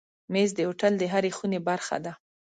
مېز د هوټل د هرې خونې برخه ده.